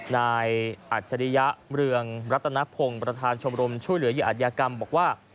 นายอัจฉริยะเมืองรัตนพงศ์ประธานชมรมช่วยเหลือเหยื่ออัธยากรรมบอกว่า